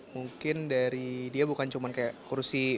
mungkin dari dia bukan cuma kayak kursi